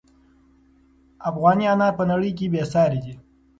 افغاني انار په نړۍ کې بې ساري دي.